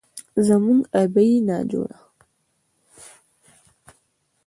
زموږ ابۍ ناجوړه،